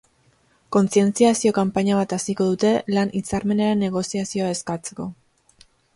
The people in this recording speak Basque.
Kontzientziazio kanpaina bat hasiko dute, lan hitzarmenaren negoziazioa eskatzeko.